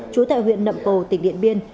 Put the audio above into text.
trú tại huyện nậm pồ tỉnh điện biên